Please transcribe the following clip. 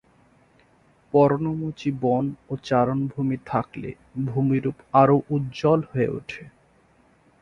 পর্ণমোচী বন ও চারণভূমি থাকলে ভূমিরূপ আরও উজ্জ্বল হয়ে ওঠে।